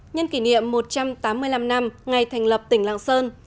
nhân kỷ niệm một trăm tám mươi năm năm ngày thành lập tỉnh lạng sơn